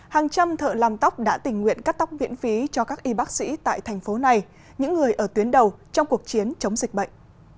hàng trăm thợ làm tóc đã tình nguyện cắt tóc miễn phí cho các y bác sĩ tại thành phố này những người ở tuyến đầu trong cuộc chiến chống dịch bệnh